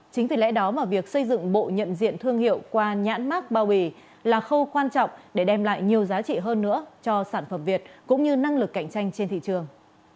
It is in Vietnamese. chính vì lẽ đó mà việc xây dựng bộ nhận diện thương hiệu qua nhãn mát bao bì là khâu quan trọng để đem lại nhiều giá trị hơn nữa cho sản phẩm việt cũng như năng lực cạnh tranh trên thị trường